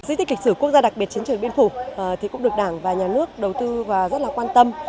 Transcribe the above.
di tích lịch sử quốc gia đặc biệt chiến trường địa mỹ phổ thì cũng được đảng và nhà nước đầu tư và rất là quan tâm